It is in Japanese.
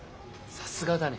さすがだね。